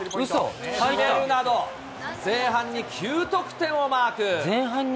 決めるなど、前半に９得点をマーク。